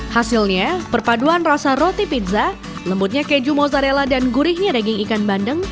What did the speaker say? hasilnya perpaduan rasa roti pizza lembutnya keju mozzarella dan gurihnya daging ikan bandeng